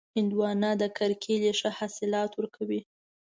هندوانه د کرکېلې ښه حاصلات ورکوي.